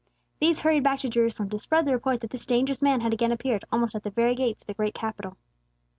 These hurried back to Jerusalem, to spread the report that this dangerous man had again appeared, almost at the very gates of the great Capital.